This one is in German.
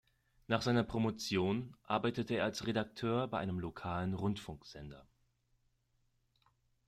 Nach seiner Promotion arbeitete er als Redakteur bei einem lokalen Rundfunksender.